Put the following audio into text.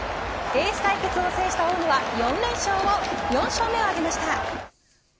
エース対決を制した大野は４勝目を挙げました。